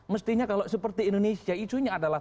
mestinya kalau seperti indonesia isunya adalah